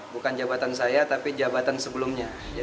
bukan jabatan saya tapi jabatan sebelumnya